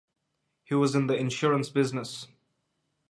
He was in the insurance business.